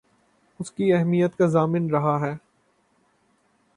اس کی اہمیت کا ضامن رہا ہے